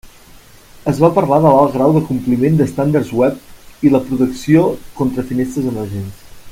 Es va parlar de l'alt grau de compliment d'estàndards web i la protecció contra finestres emergents.